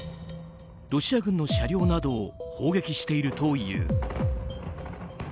ロシア軍の車両などを砲撃しているという。